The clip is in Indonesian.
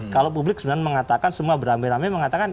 kalau publik sebenarnya mengatakan semua beramai ramai mengatakan